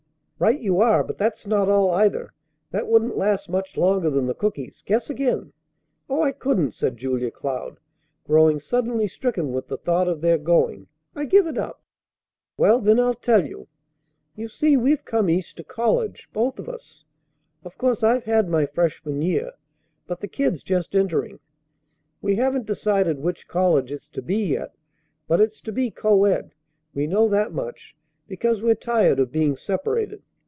"Right you are! But that's not all, either. That wouldn't last much longer than the cookies. Guess again." "Oh, I couldn't!" said Julia Cloud, growing suddenly stricken with the thought of their going. "I give it up." "Well, then I'll tell you. You see we've come East to college, both of us. Of course I've had my freshman year, but the Kid's just entering. We haven't decided which college it's to be yet, but it's to be co ed, we know that much, because we're tired of being separated.